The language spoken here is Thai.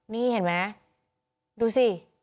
นี่เห็นไหมดูสิ